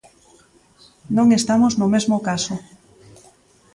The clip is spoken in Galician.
Non estamos no mesmo caso.